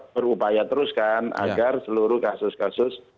berupaya teruskan agar seluruh kasus kasus